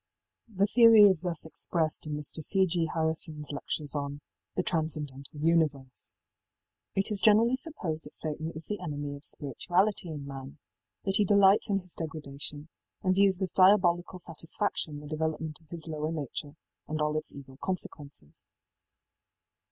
The theory is thus expressed in Mr. C. G. Harrisonís lectures on ëThe Transcendental Universeí: ëIt is generally supposed that Satan is the enemy of spirituality in man; that he delights in his degradation, and views with diabolical satisfaction the development of his lower nature and all its evil consequences.